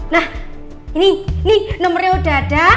nah ini ini nomernya udah ada